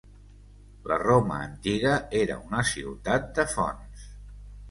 La Roma antiga era una ciutat de fonts.